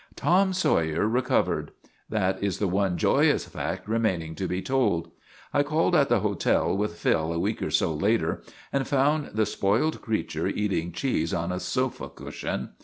Tom Sawyer recovered ; that is the one joyous fact remaining to be told. I called at the hotel with Phil a week or so later and found the spoiled creature eat ing cheese on a sofa cushion.